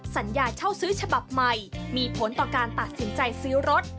เช่าซื้อฉบับใหม่มีผลต่อการตัดสินใจซื้อรถ